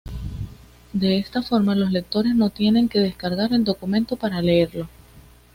De esta forma, los lectores no tienen que descargar el documento para leerlo.